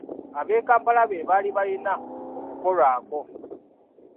Ab'e Kampala be baali balina okukolwako.